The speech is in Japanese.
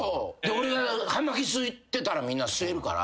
俺が葉巻吸ってたらみんな吸えるから。